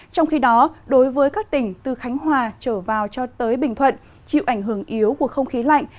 trong khi đó đối với các tỉnh từ khánh hòa trở vào cho tới bình thuận chịu ảnh hưởng yếu của không khí lạnh